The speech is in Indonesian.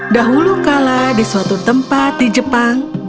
dahulu kala di suatu tempat di jepang